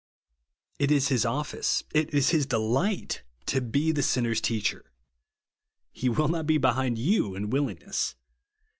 It is his office, it is his delio^ht, to be the sinner's teacher. He will not be behind you in willingness.